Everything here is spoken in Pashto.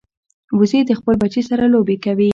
وزې د خپل بچي سره لوبې کوي